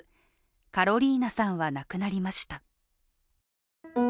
カロリーナさんは亡くなりました。